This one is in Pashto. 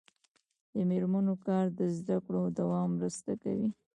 د میرمنو کار د زدکړو دوام مرسته کوي.